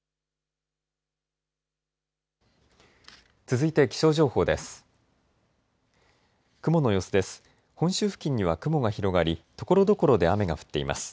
続いて気象情報です。